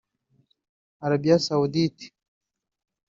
Arabie Saoudite